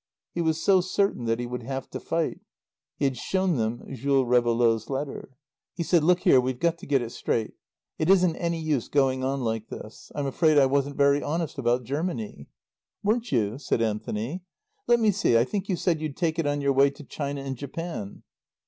He was so certain that he would have to fight. He had shown them Jules Réveillaud's letter. He said, "Look here, we've got to get it straight. It isn't any use going on like this. I'm afraid I wasn't very honest about Germany." "Weren't you?" said Anthony. "Let me see, I think you said you'd take it on your way to China and Japan."